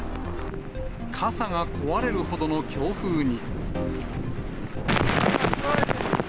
傘が壊れるほどの強風に。